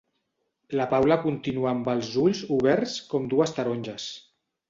La Paula continua amb els ulls oberts com dues taronges.